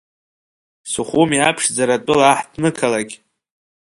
Сухуми аԥшӡара атәыла аҳҭнықалақь!